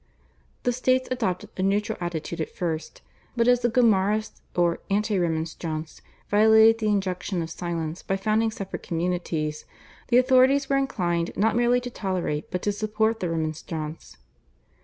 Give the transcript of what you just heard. The States adopted a neutral attitude at first, but, as the Gomarists or anti Remonstrants violated the injunction of silence by founding separate communities, the authorities were inclined not merely to tolerate but to support the Remonstrants.